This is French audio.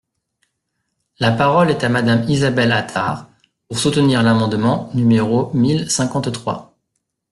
La parole est à Madame Isabelle Attard, pour soutenir l’amendement numéro mille cinquante-trois.